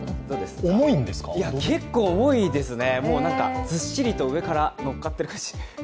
結構重いですね、ずっしりと上からのっかってる感じ。